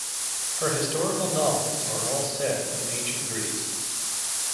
Her historical novels are all set in ancient Greece.